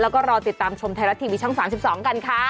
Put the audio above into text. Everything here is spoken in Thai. แล้วก็รอติดตามชมไทยรัฐทีวีช่อง๓๒กันค่ะ